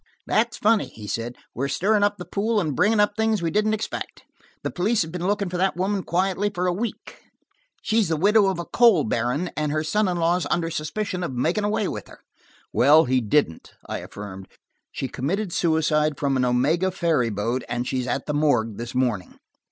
"That's funny," he said. "We're stirring up the pool and bringing up things we didn't expect. The police have been looking for that woman quietly for a week: she's the widow of a coal baron, and her son in law's under suspicion of making away with her." "Well, he didn't," I affirmed. "She committed suicide from an Omega ferry boat and she's at the morgue this morning."